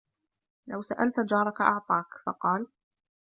لَوْ سَأَلْتَ جَارَك أَعْطَاك ؟ فَقَالَ